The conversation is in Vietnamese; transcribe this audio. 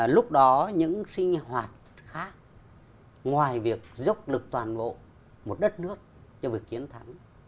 lúc đó những sinh hoạt khác ngoài việc dốc lực toàn bộ một đất nước cho việc chiến thắng